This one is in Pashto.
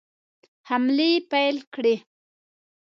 حملې پیل کړې.